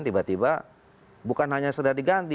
tiba tiba bukan hanya sudah diganti